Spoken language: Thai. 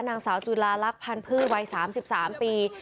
นางสาวจุลาลักษณ์พันธ์พืชวัย๓๓ปี